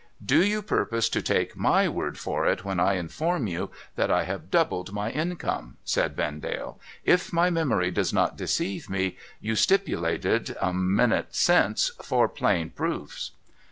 ' Do you purpose to take my word for it when I inform you that I have doubled my income ?' asked Vendale. ' If my memory does not deceive me, you stipulated, a minute since, for plain proofs